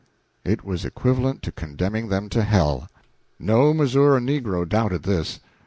It was equivalent to condemning them to hell! No Missouri negro doubted this.